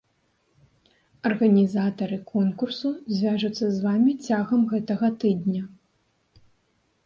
Арганізатары конкурсу звяжуцца з вамі цягам гэтага тыдня.